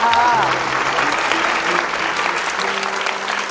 มาพบกับแก้วตานะครับนักสู้ชีวิตสู้งาน